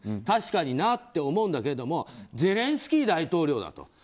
確かになって思うんだけれどもゼレンスキー大統領だと。